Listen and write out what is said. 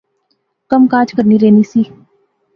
کم کاج کرنی رہنی سی